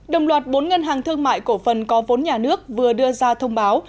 đồng loạt bốn ngân hàng thương mại cổ phần có vốn nhà nước vừa đưa ra thông báo